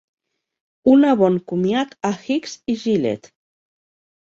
Una bon comiat a Hicks i Gillett.